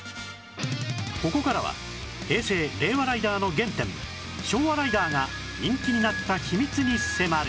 ここからは平成・令和ライダーの原点昭和ライダーが人気になった秘密に迫る！